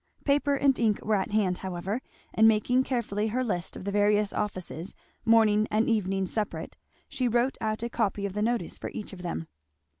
Paper and ink were at hand however, and making carefully her list of the various offices, morning and evening separate, she wrote out a copy of the notice for each of them.